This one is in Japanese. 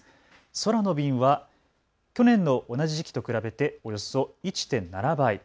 空の便は去年の同じ時期と比べておよそ１．７倍。